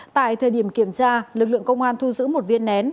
tại thời điểm kiểm tra lực lượng công an thu giữ một viên nén